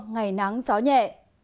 ngày nắng gió nhẹ